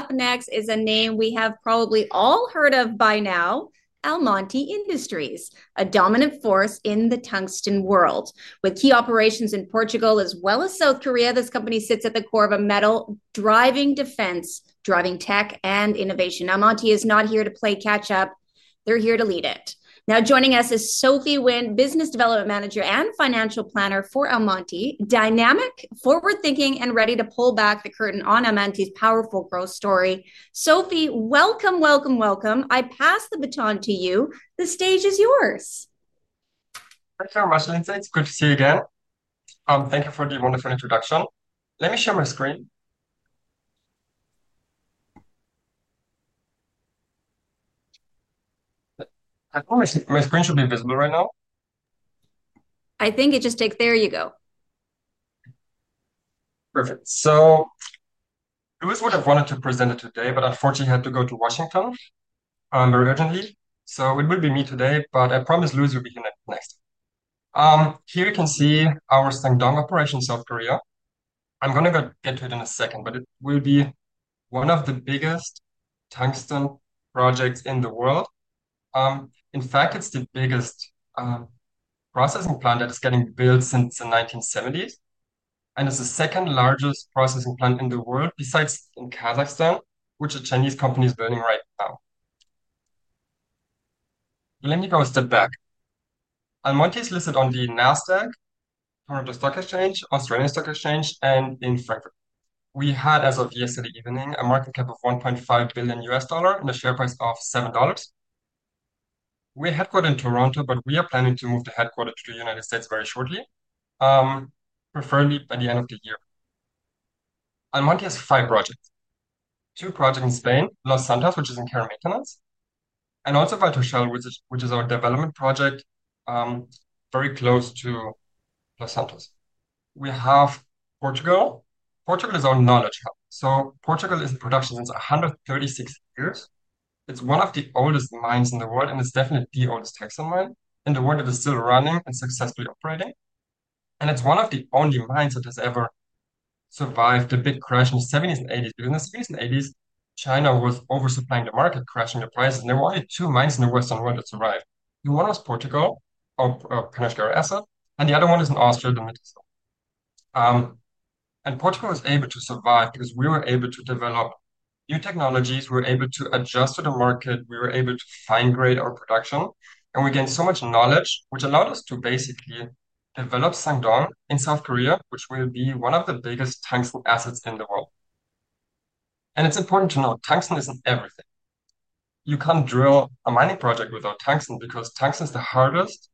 Up next is a name we have probably all heard of by now: Almonty Industries, a dominant force in the tungsten world. With key operations in Portugal, as well as South Korea, this company sits at the core of a metal driving defense, driving tech, and innovation. Almonty is not here to play catch-up, they're here to lead it. Now joining us is Sophie Nguyen, Business Development Manager and Financial Planner for Almonty, dynamic, forward-thinking, and ready to pull back the curtain on Almonty's powerful growth story. Sophie, welcome, welcome, welcome. I pass the baton to you. The stage is yours. Thanks for having us, Lindsay. It's good to see you again. Thank you for the wonderful introduction. Let me share my screen. I promise my screen should be visible right now. I think it just did. There you go. Perfect. So, Lewis would have wanted to present it today, but unfortunately he had to go to Washington, very urgently. So, it would be me today, but I promise Lewis will be here next time. Here you can see our Sangdong operation in South Korea. I'm going to get to it in a second, but it will be one of the biggest tungsten projects in the world. In fact, it's the biggest processing plant that is getting built since the 1970s. It's the second largest processing plant in the world, besides in Kazakhstan, which a Chinese company is building right now. Let me go a step back. Almonty Industries is listed on the NASDAQ, Canadian Stock Exchange, Australian Stock Exchange, and in Frankfurt. We had, as of yesterday evening, a market cap of $1.5 billion and a share price of $7. We're headquartered in Toronto, but we are planning to move the headquarters to the United States very shortly, preferably by the end of the year. Almonty has five projects. Two projects in Spain, Los Santos, which is in Carrac Canals, and also Valtreixal, which is our development project, very close to Los Santos. We have Portugal. Portugal is our knowledge hub. Portugal is in production since 136 years. It's one of the oldest mines in the world, and it's definitely the oldest tungsten mine in the world that is still running and successfully operating. It's one of the only mines that has ever survived the big crash in the 1970s and 1980s, because in the 1970s and 1980s, China was oversupplying the market, crashing the prices, and there were only two mines in the Western world that survived. One was Portugal, our Panasqueira asset, and the other one is in Austria, Mittersill. Portugal was able to survive because we were able to develop new technologies. We were able to adjust to the market. We were able to fine grade our production, and we gained so much knowledge, which allowed us to basically develop Sangdong in South Korea, which will be one of the biggest tungsten assets in the world. It's important to note tungsten is in everything. You can't drill a mining project without tungsten because tungsten is the hardest,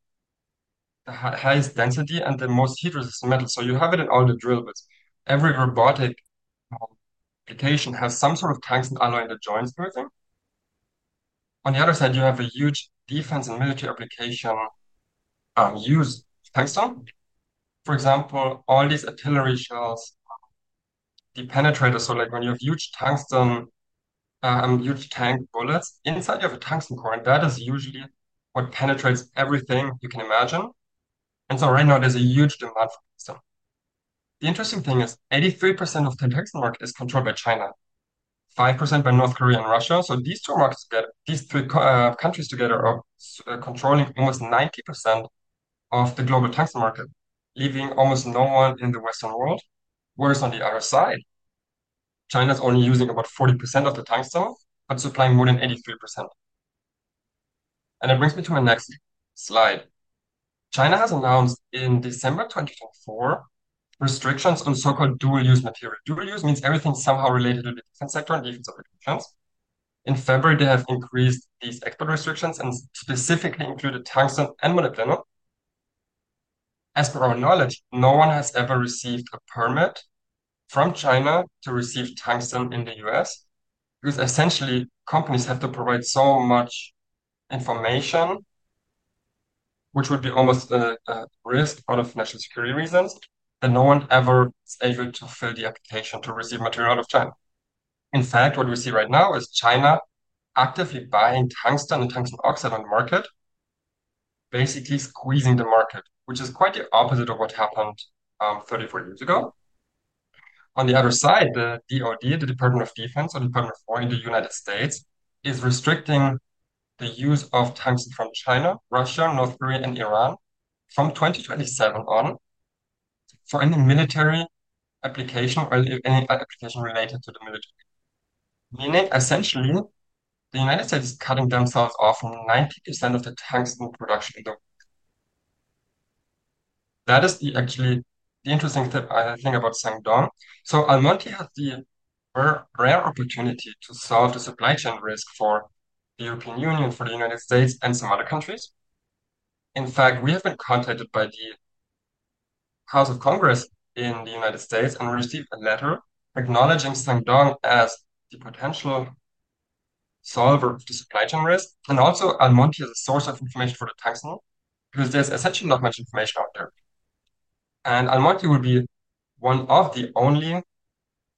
the highest density, and the most heat resistant metal. You have it in all the drill bits. Every robotic application has some sort of tungsten alloy in the joints and everything. On the other side, you have a huge defense and military application, used tungsten. For example, all these artillery shells, the penetrators, like when you have huge tungsten, huge tank bullets inside, you have a tungsten coil and that is usually what penetrates everything you can imagine. Right now there's a huge demand for tungsten. The interesting thing is 83% of the tungsten market is controlled by China, 5% by North Korea and Russia. These three countries together are controlling almost 90% of the global tungsten market, leaving almost no one in the Western world. Whereas on the other side, China is only using about 40% of the tungsten, but supplying more than 83%. It brings me to my next slide. China has announced in December 2024 restrictions on so-called dual-use material. Dual-use means everything somehow related to defense and defense applications. In February, they have increased these export restrictions and specifically included tungsten and molybdenum. As for our knowledge, no one has ever received a permit from China to receive tungsten in the U.S., because essentially companies have to provide so much information, which would be almost a risk out of national security reasons that no one ever is able to fulfill the application to receive material out of China. In fact, what we see right now is China actively buying tungsten and tungsten oxide on the market, basically squeezing the market, which is quite the opposite of what happened 34 years ago. On the other side, the D.O.D., the Department of Defense or the Department of Foreign in the United States, is restricting the use of tungsten from China, Russia, North Korea, and Iran from 2027 on for any military application or any other application related to the military. Meaning essentially, the United States is cutting themselves off from 90% of the tungsten production in the world. That is actually the interesting thing about Sangdong. Almonty has the rare opportunity to solve the supply chain risk for the European Union, for the United States, and some other countries. In fact, we have been contacted by the House of Congress in the United States and received a letter acknowledging Sangdong as the potential solver to supply chain risks. Also, Almonty is a source of information for the tungsten, because there's essentially not much information out there. Almonty will be one of the only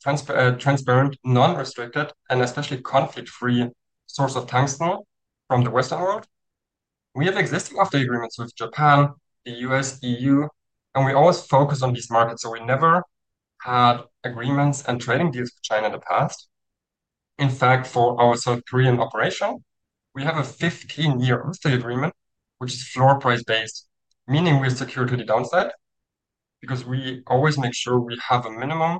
transparent, non-restricted, and especially conflict-free sources of tungsten from the Western world. We have existing off-take agreements with Japan, the U.S., EU, and we always focus on these markets. We never had agreements and trading deals with China in the past. In fact, for our South Korean operation, we have a 15-year off-take agreement, which is floor price-based, meaning we're secure to the downside because we always make sure we have a minimum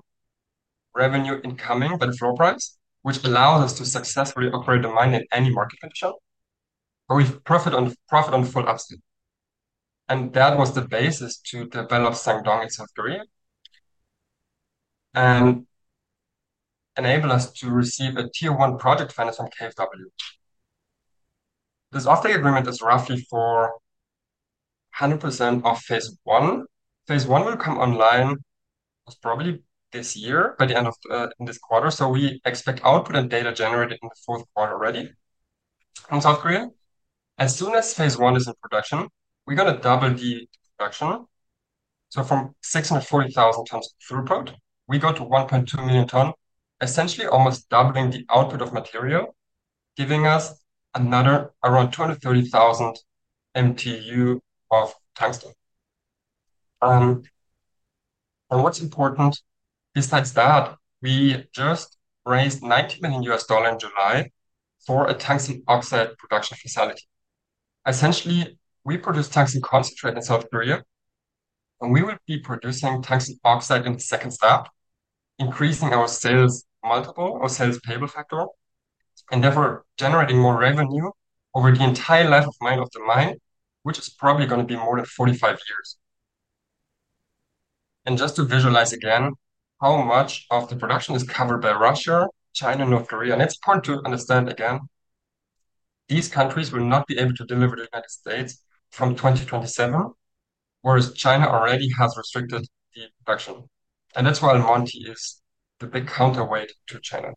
revenue incoming by the floor price, which allows us to successfully operate the mine in any market condition. We profit on full upside. That was the basis to develop Sangdong in South Korea and enable us to receive a Tier 1 project financing from KFW. This off-take agreement is roughly for 100% of phase I. Phase I will come online probably this year, by the end of this quarter. We expect output and data generated in the fourth quarter already from South Korea. As soon as phase I is in production, we're going to double the production. From 640,000 tons of throughput, we go to 1.2 million tons, essentially almost doubling the output of material, giving us another around 230,000 MTU of tungsten. What's important, besides that, we just raised $90 million in July for a tungsten oxide facility. Essentially, we produce tungsten concentrate in South Korea, and we will be producing tungsten oxide in the second step, increasing our sales multiple or sales payable factor, and therefore generating more revenue over the entire life of the mine, which is probably going to be more than 45 years. Just to visualize again how much of the production is covered by Russia, China, and North Korea, it's important to understand again, these countries will not be able to deliver to the United States from 2027, whereas China already has restricted the production. That is why Almonty is the big counterweight to China.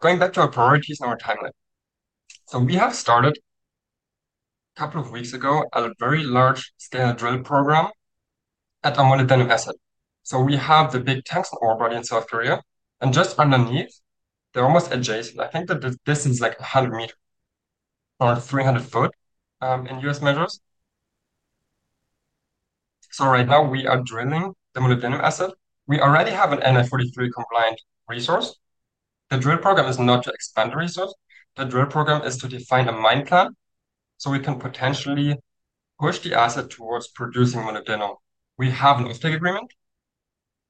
Going back to our priorities and our timeline, we have started a couple of weeks ago a very large scale drill program at our molybdenum asset. We have the big tungsten ore body in South Korea, and just underneath, they're almost adjacent. I think that this is like 100 meters, about 300 foot in U.S. measures. Right now we are drilling the molybdenum asset. We already have an NI 43 compliant resource. The drill program is not to expand the resource. The drill program is to define the mine plan so we can potentially push the asset towards producing molybdenum. We have an off-take agreement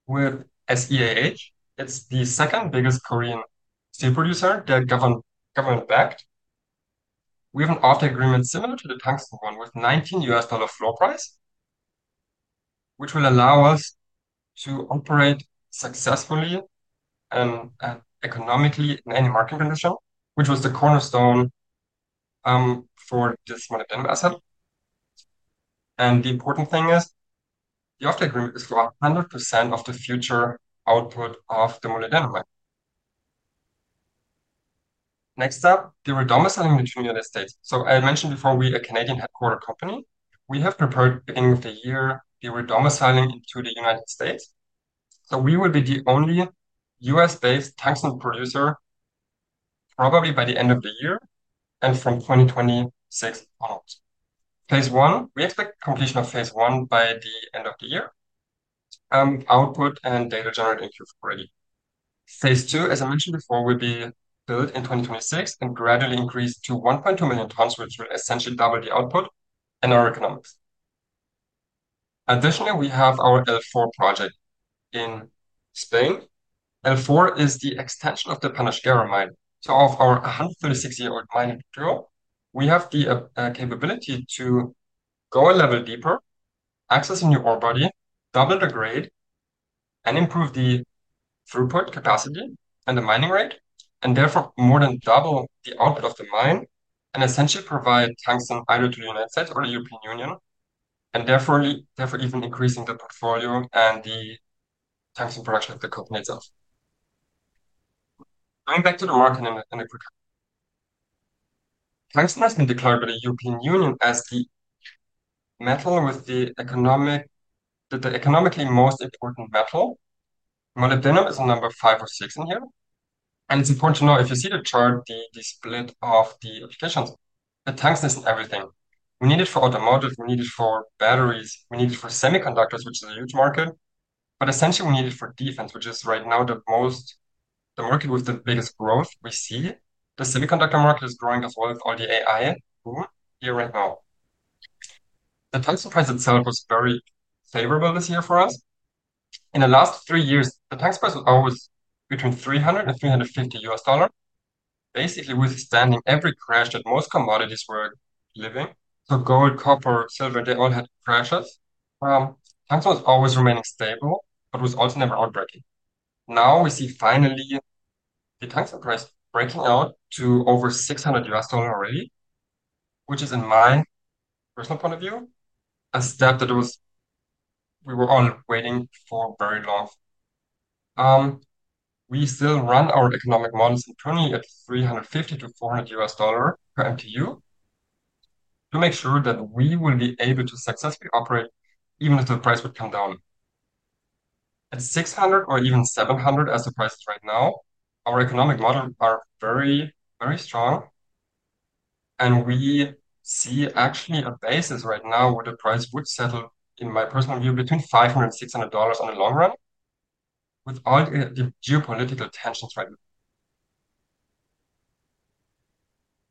with SeAH. It's the second biggest Korean steel producer that is government backed. We have an off-take agreement similar to the tungsten one with $19 floor price, which will allow us to operate successfully and economically in any market condition, which was the cornerstone for this molybdenum asset. The important thing is the off-take agreement is about 100% of the future output of the molybdenum mine. Next up, the re-domiciling into the United States. I had mentioned before we are a Canadian headquartered company. We have prepared at the beginning of the year the re-domiciling into the United States. We will be the only U.S.-based tungsten producer probably by the end of the year and from 2026 on out. phase I, we expect completion of phase I by the end of the year, output and data generated in Q4 already. Phase II, as I mentioned before, will be built in 2026 and gradually increase to 1.2 million tons, which will essentially double the output and our economics. Additionally, we have our L4 project in Spain. L4 is the extension of the Panasqueira mine. Of our 136-year-old mine in Portugal, we have the capability to go a level deeper, access a new ore body, double the grade, and improve the throughput capacity and the mining rate, and therefore more than double the output of the mine, and essentially provide tungsten either to the United States or the European Union, and therefore even increasing the portfolio and the tungsten production of the company itself. Going back to the market and the production, tungsten has been declared by the European Union as the metal, the economically most important metal. Molybdenum is a number five or six in here. It's important to know if you see the chart, the split of the applications. The tungsten is in everything. We need it for automotives, we need it for batteries, we need it for semiconductors, which is a huge market. Essentially, we need it for defense, which is right now the market with the biggest growth we see. The semiconductor market is growing as well as all the AI tools here right now. The tungsten price itself was very favorable this year for us. In the last three years, the tungsten price was always between $300 and $350. Basically, with expanding every crash that most commodities were living, so gold, copper, silver, they all had crashes. Tungsten was always remaining stable, but it was also never outbreaking. Now we see finally the tungsten price breaking out to over $600 already, which is, in my personal point of view, a step that we were all waiting for very long. We still run our economic models internally at $350 to $400 per MTU to make sure that we will be able to successfully operate even if the price would come down. At $600 or even $700, as the price is right now, our economic models are very, very strong. We see actually a basis right now where the price would settle, in my personal view, between $500 and $600 in the long run with all the geopolitical tensions right now.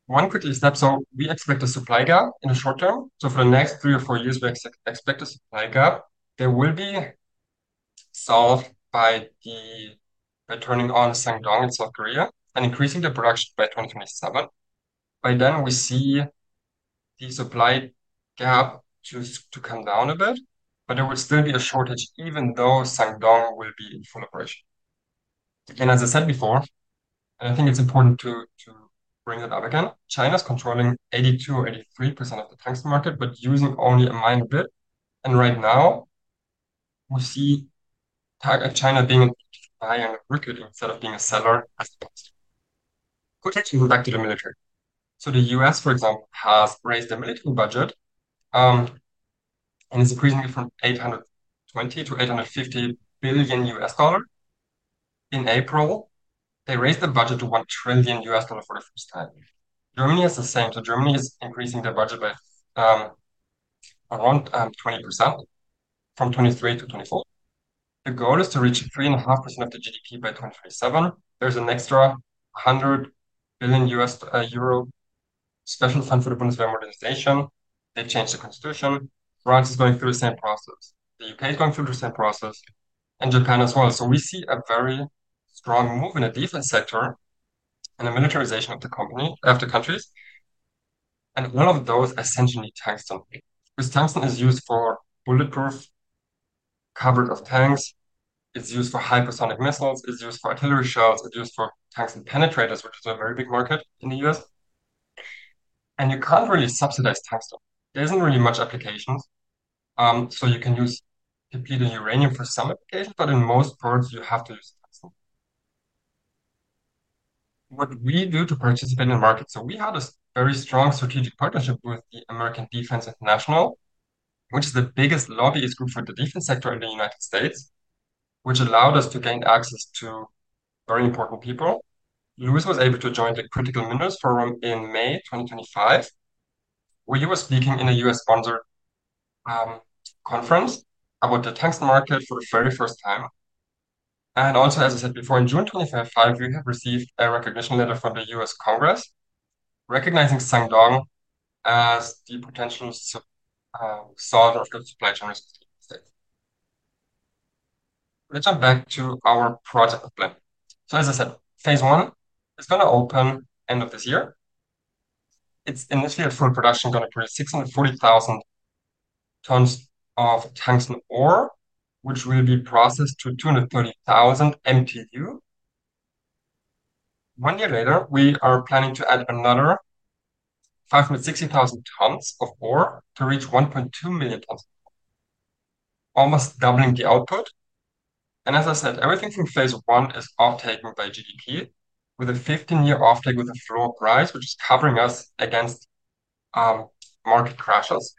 One quick step, we expect a supply gap in the short term. For the next three or four years, we expect a supply gap. That will be solved by turning on Sangdong in South Korea and increasing the production by 2027. By then, we see the supply gap to come down a bit, but there will still be a shortage even though Sangdong will be in full operation. As I said before, and I think it's important to bring that up again, China is controlling 82% or 83% of the tungsten market, but using only a minor bit. Right now, we see China being a buyer and a recruiter instead of being a seller at the moment. Quickly moving back to the military. The U.S., for example, has raised the military budget and is increasing it from $820 billion to $850 billion. In April, they raised the budget to $1 trillion for the first time. Germany is the same. Germany is increasing their budget by around 20% from 2023 to 2024. The goal is to reach 3.5% of the GDP by 2027. There's an extra 100 billion euro special fund for the Bundeswehr organization. They changed the constitution. France is going through the same process. The U.K. is going through the same process. Japan as well. We see a very strong move in the defense sector and the militarization of the countries. One of those is essentially tungsten, because tungsten is used for bulletproof coverage of tanks. It's used for hypersonic missiles. It's used for artillery shells. It's used for tungsten penetrators, which is a very big market in the U.S. You can't really subsidize tungsten. There isn't really much application. You can use completely uranium for some applications, but in most firms, you have to use tungsten. What we do to participate in the market, we had a very strong strategic partnership with American Defense International, which is the biggest lobbyist group for the defense sector in the United States, which allowed us to gain access to very important people. Lewis was able to join the Critical Minerals Forum in May 2025, where he was speaking in a U.S.-sponsored conference about the tungsten market for the very first time. As I said before, in June 2025, we have received a recognition letter from the U.S. Congress recognizing Sangdong as the potential solver of the supply chain in the United States. Let's jump back to our project plan. As I said, phase I is going to open at the end of this year. It's initially a full production that will create 640,000 tons of tungsten ore, which will be processed to 230,000 MTU. One year later, we are planning to add another 560,000 tons of ore to reach 1.2 million tons, almost doubling the output. As I said, everything from phase I is off-taken by GDP, with a 15-year off-take with a floor price, which is covering us against market crashes.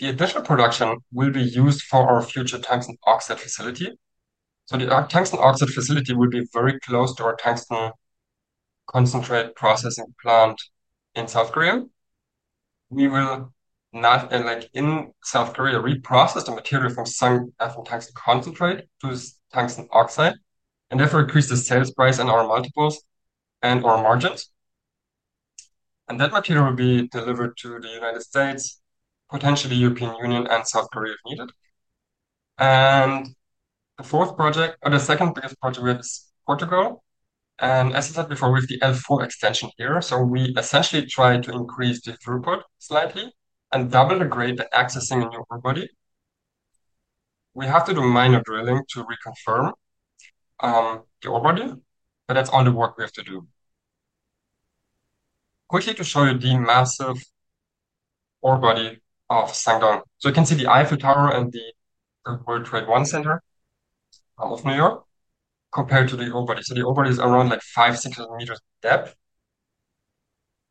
The additional production will be used for our future tungsten oxide facility. The tungsten oxide facility will be very close to our tungsten concentrate processing plant in South Korea. We will, in South Korea, reprocess the material from tungsten concentrate to tungsten oxide and therefore increase the sales price and our multiples and our margins. That material will be delivered to the United States, potentially the European Union, and South Korea if needed. The fourth project, or the second biggest project, is Portugal. As I said before, we have the L4 extension here. We essentially try to increase the throughput slightly and double the grade by accessing a new ore body. We have to do minor drilling to reconfirm the ore body, but that's all the work we have to do. Quickly to show you the massive ore body of Sangdong. You can see the Eiffel Tower and the One World Trade Center of New York compared to the ore body. The ore body is around 5-6 kilometers in depth.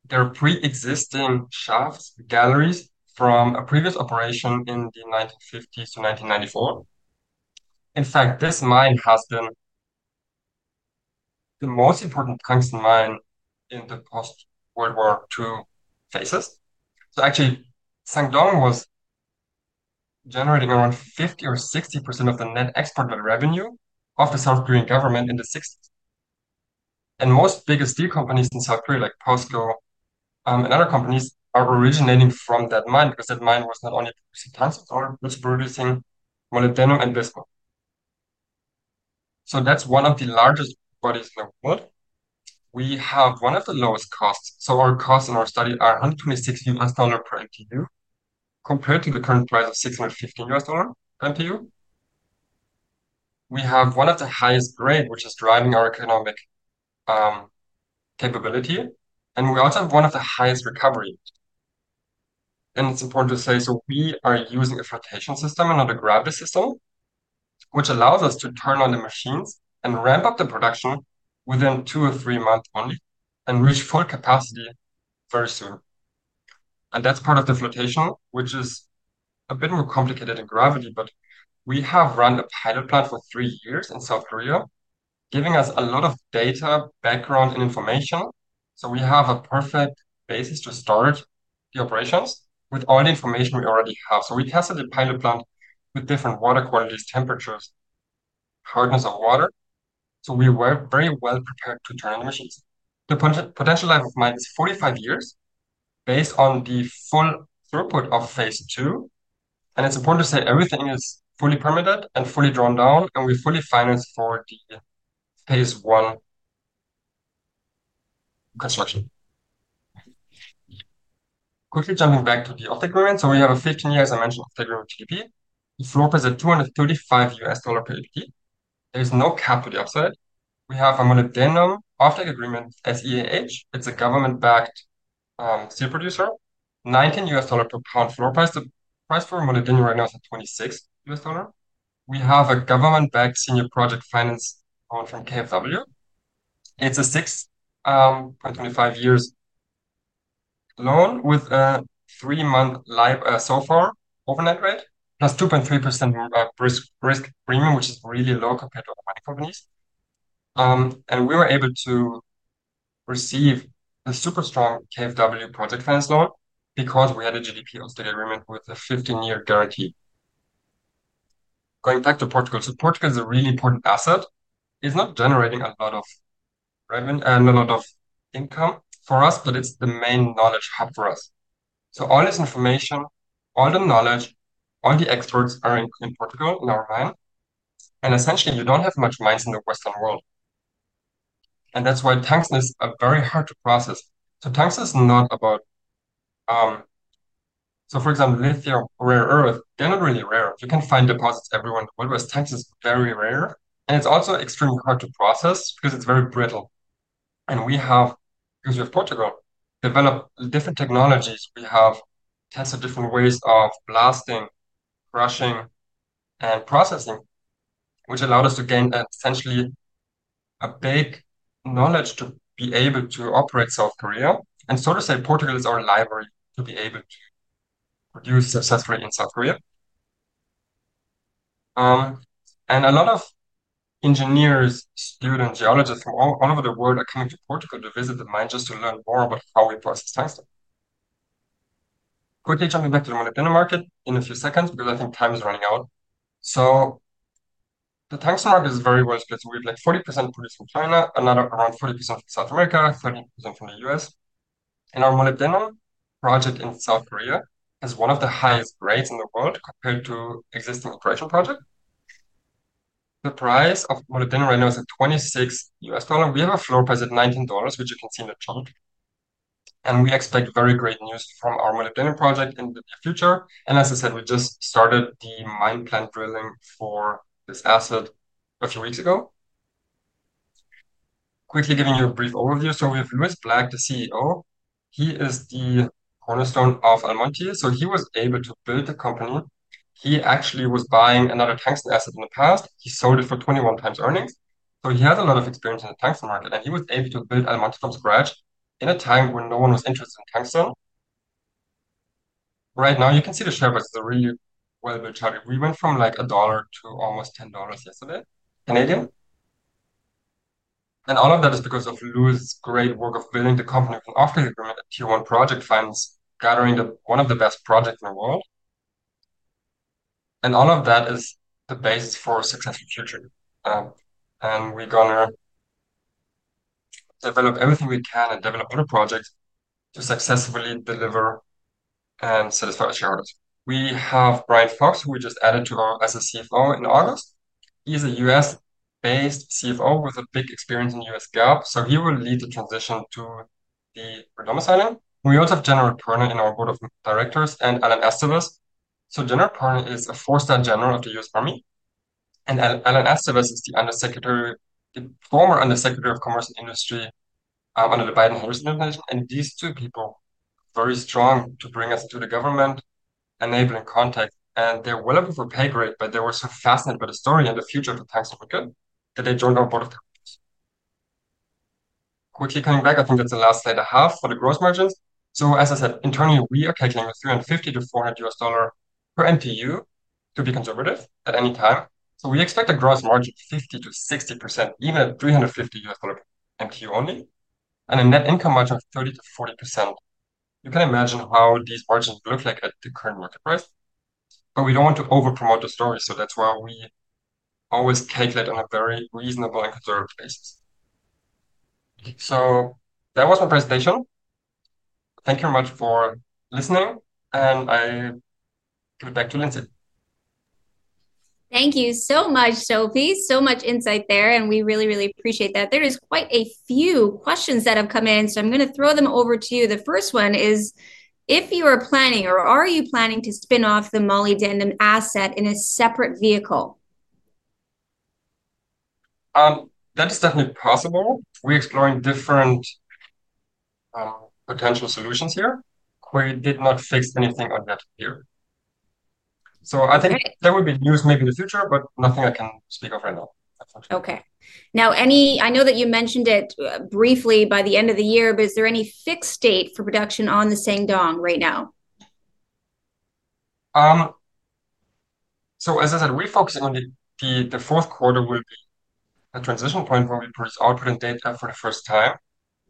There are pre-existing shafts, galleries from a previous operation in the 1950s to 1994. In fact, this mine has been the most important tungsten mine in the post-World War II phases. Actually, Sangdong was generating around 50% or 60% of the net export revenue of the South Korean government in the 1960s. Most biggest steel companies in South Korea, like POSCO and other companies, are originating from that mine because that mine was not only producing tungsten, but also producing molybdenum and bismuth. That's one of the largest ore bodies in the world. We have one of the lowest costs. Our costs in our study are $126 per MTU compared to the current price of $615 per MTU. We have one of the highest grades, which is driving our economic capability. We also have one of the highest recovery. It's important to say we are using a flotation system and a gravity system, which allows us to turn on the machines and ramp up the production within two or three months only and reach full capacity very soon. That's part of the flotation, which is a bit more complicated than gravity, but we have run the pilot plant for three years in South Korea, giving us a lot of data, background, and information. We have a perfect basis to start the operations with all the information we already have. We tested the pilot plant with different water qualities, temperatures, and hardness of water. We were very well prepared to turn on the machines. The potential life of the mine is 45 years based on the full throughput of phase II. It's important to say everything is fully permitted and fully drawn down, and we are fully financed for the phase I construction. Quickly jumping back to the off-take agreement, we have a 15-year, as I mentioned, off-take agreement with GTP. The floor price is at $235 per MTU. There is no cap to the upside. We have a molybdenum off-take agreement, SeAH. It's a government-backed steel producer. $19 per pound floor price. The price for molybdenum right now is at $26. We have a government-backed senior project financed from KFW. It's a 6.25-year loan with a three-month SOFR overnight rate, plus 2.3% of risk premium, which is really low compared to other companies. We were able to receive a super strong KFW project finance loan because we had a GTP on-state agreement with a 15-year guarantee. Going back to Portugal, Portugal is a really important asset. It's not generating a lot of revenue and a lot of income for us, but it's the main knowledge hub for us. All this information, all the knowledge, all the experts are in Portugal in our mine. Essentially, you don't have many mines in the Western world. That's why tungsten is very hard to process. Tungsten is not about, for example, lithium, rare earth, they're not really rare. You can find deposits everywhere in the world, but tungsten is very rare. It's also extremely hard to process because it's very brittle. Because we have Portugal, we developed different technologies. We have tested different ways of blasting, crushing, and processing, which allowed us to gain essentially a big knowledge to be able to operate in South Korea. Portugal is our library to be able to produce successfully in South Korea. A lot of engineers, students, geologists from all over the world came to Portugal to visit the mines just to learn more about how we process tungsten. Quickly jumping back to the molybdenum market in a few seconds, because I think time is running out. The tungsten is very well split. We have like 40% produced in China, another around 40% from South America, 30% from the U.S. Our molybdenum project in South Korea has one of the highest rates in the world compared to existing operation projects. The price of molybdenum right now is at $26. We have a floor price at $19, which you can see in the chart. We expect very great news from our molybdenum project in the future. As I said, we just started the mine plant drilling for this asset a few weeks ago. Quickly giving you a brief overview. We have Lewis Black, the CEO. He is the cornerstone of Almonty. He was able to build the company. He actually was buying another tungsten asset in the past. He sold it for 21 times earnings. He had a lot of experience in the tungsten market, and he was able to build Almonty from scratch in a time when no one was interested in tungsten. Right now, you can see the share price is really well-charted. We went from like $1 to almost $10 yesterday, Canadian. All of that is because of Lewis's great work of building the company. After he dropped a Tier 1 project finance, gathering one of the best projects in the world. All of that is the basis for a successful future. We're going to develop everything we can and develop other projects to successfully deliver and satisfy our shareholders. We have Brian Fox, who we just added to our as a CFO in August. He is a U.S.-based CFO with a big experience in the U.S. GAAP. He will lead the transition to the re-domiciling. We also have General Pernod in our Board of Directors and Alan Estevez. General Pernod is a four-star general of the U.S. Army, and Alan Estevez is the former Undersecretary of Commerce and Industry under the Biden-Harris administration. These two people are very strong to bring us to the government, enabling contact. They're well above our pay grade, but they were so fascinated by the story and the future of the tungsten market that they joined our Board of Directors. Quickly coming back, I think that's the last slide I have for the gross margins. As I said, internally we are calculating a $350 to $400 per MTU, to be conservative, at any time. We expect a gross margin of 50% to 60%, even at $350 per MTU only, and a net income margin of 30% to 40%. You can imagine how these margins look like at the current market price. We don't want to overpromote the story, so that's why we always calculate on a very reasonable and conservative basis. That was my presentation. Thank you very much for listening, and I give it back to Lindsay. Thank you so much, Sophie. So much insight there, and we really, really appreciate that. There are quite a few questions that have come in, so I'm going to throw them over to you. The first one is, if you are planning or are you planning to spin off the molybdenum asset in a separate vehicle? That is definitely possible. We're exploring different potential solutions here. We did not fix anything on that period. I think that would be news maybe in the future, but nothing I can speak of right now. Okay. Now, I know that you mentioned it briefly by the end of the year, but is there any fixed date for production on the Sangdong Tungsten Mine right now? As I said, we're focusing on the fourth quarter with a transition point where we produce output and data for the first time.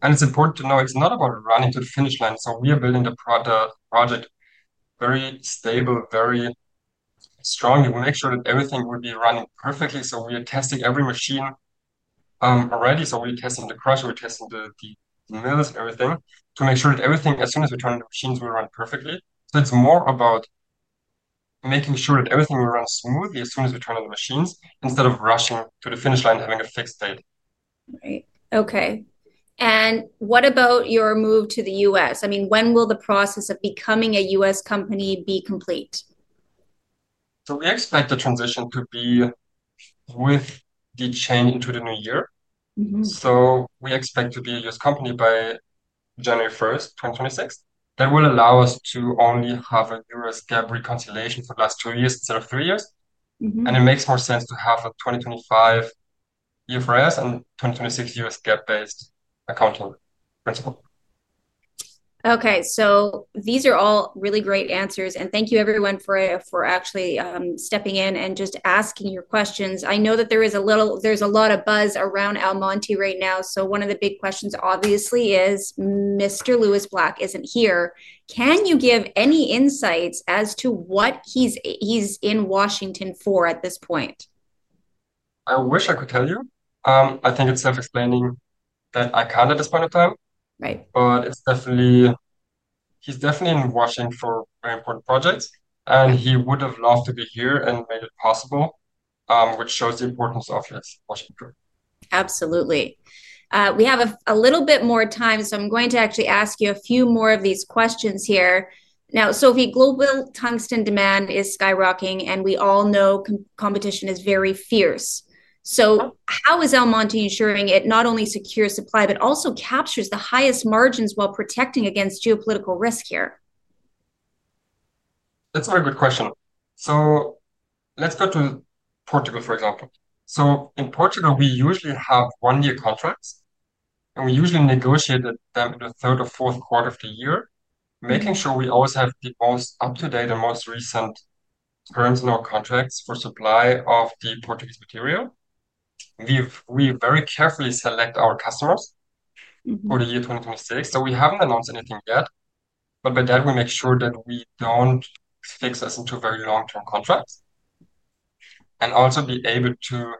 It's important to know it's not about running to the finish line. We are building the project very stable, very strongly. We make sure that everything will be running perfectly. We are testing every machine already. We're testing the crusher, we're testing the mills, everything, to make sure that everything, as soon as we turn on the machines, will run perfectly. It's more about making sure that everything will run smoothly as soon as we turn on the machines instead of rushing to the finish line and having a fixed date. Right. Okay. What about your move to the U.S.? I mean, when will the process of becoming a U.S. company be complete? We expect the transition to be with the change into the new year. We expect to be a U.S. company by January 1st, 2026. That will allow us to only have a U.S. GAAP reconciliation for the last two years instead of three years. It makes more sense to have a 2025 year for us and 2026 U.S. GAAP-based accountability. Okay. These are all really great answers. Thank you everyone for actually stepping in and just asking your questions. I know that there is a lot of buzz around Almonty Industries right now. One of the big questions obviously is, Mr. Lewis Black isn't here. Can you give any insights as to what he's in Washington, for at this point? I wish I could tell you. I think it's self-explanatory that I can't at this point in time. He's definitely in Washington for very important projects. He would have loved to be here and made it possible, which shows the importance of Washington. Absolutely. We have a little bit more time, so I'm going to actually ask you a few more of these questions here. Now, Sophie, global tungsten demand is skyrocketing, and we all know competition is very fierce. How is Almonty ensuring it not only secures supply, but also captures the highest margins while protecting against geopolitical risk here? That's a very good question. Let's go to Portugal, for example. In Portugal, we usually have one-year contracts, and we usually negotiate them in the third or fourth quarter of the year, making sure we always have the most up-to-date and most recent terms in our contracts for supply of the Portuguese material. We very carefully select our customers for the year 2026. We haven't announced anything yet, but by that, we make sure that we don't fix us into very long-term contracts and also be able to,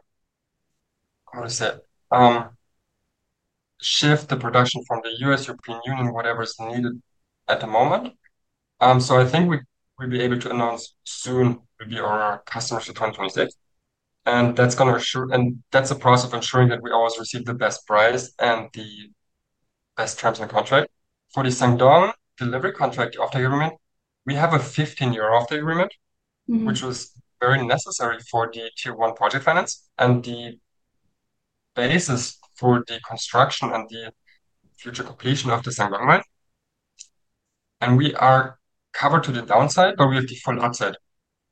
how do I say it, shift the production from the U.S., European Union, whatever is needed at the moment. I think we'll be able to announce soon to be our customers for 2026. That's going to ensure, and that's a process of ensuring that we always receive the best price and the best terms and contracts. For the Sangdong delivery contract, the off-take agreement, we have a 15-year off-take agreement, which was very necessary for the Tier 1 project finance and the basis for the construction and the future completion of the Sangdong mine. We are covered to the downside, but we have the full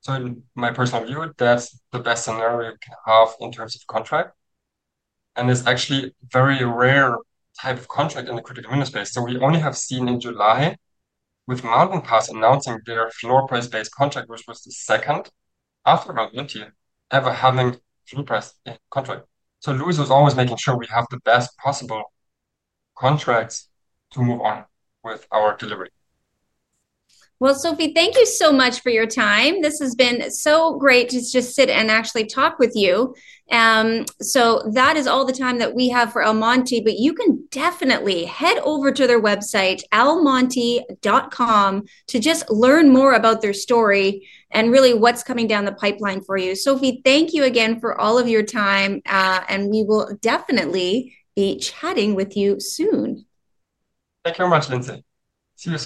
upside. In my personal view, that's the best scenario we have in terms of contract. There's actually a very rare type of contract in the Critical Miner space. We only have seen in July, with Mountain Pass announcing their floor price-based contract, which was the second after Mountain Tier ever having a floor price contract. Lewis was always making sure we have the best possible contracts to move on with our delivery. Sophie, thank you so much for your time. This has been so great to just sit and actually talk with you. That is all the time that we have for Almonty Industries, but you can definitely head over to their website, almonty.com, to just learn more about their story and really what's coming down the pipeline for you. Sophie, thank you again for all of your time, and we will definitely be chatting with you soon. Thank you very much, Lindsay. See you soon.